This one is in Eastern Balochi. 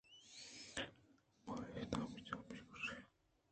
ما اِد ءَ پنجابی گُوش اِیں۔